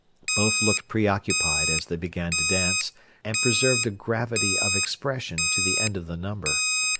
Both looked preoccupied, as they began to dance, and preserved a gravity, of expression to the end of the number.